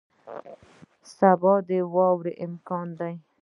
سبا د واورې امکان دی